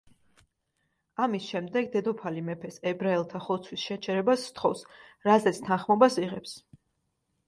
ამის შემდეგ, დედოფალი მეფეს ებრაელთა ხოცვის შეჩერებას სთხოვს, რაზეც თანხმობას იღებს.